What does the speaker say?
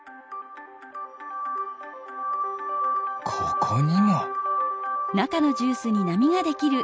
ここにも。